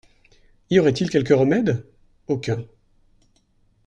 Y aurait-il quelque remède ? Aucun.